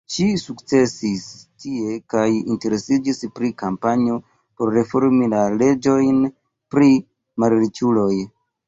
Ŝi sukcesis tie, kaj interesiĝis pri kampanjo por reformi la leĝojn pri malriĉuloj.